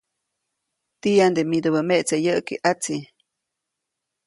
Tiyande midubä meʼtse yäʼki ʼatsi.